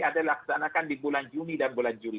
ada dilaksanakan di bulan juni dan bulan juli